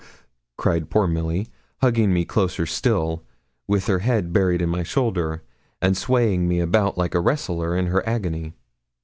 cried poor Milly, hugging me closer still, with her head buried in my shoulder, and swaying me about like a wrestler, in her agony.